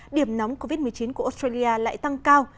điểm nóng covid một mươi chín của australia lại tăng cao